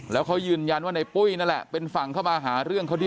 แล้วเขายืนยันว่าในปุ้ยนั่นแหละเป็นฝั่งเข้ามาหาเรื่องเขาที่